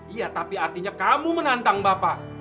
iya tapi artinya kamu menantang bapak